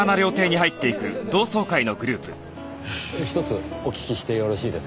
ひとつお聞きしてよろしいですか？